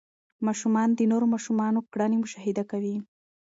ماشومان د نورو ماشومانو کړنې مشاهده کوي.